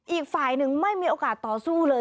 อีกฝ่ายหนึ่งไม่มีโอกาสต่อสู้เลย